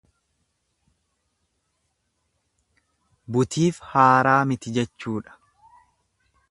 Butiif haaraa miti jechuudha.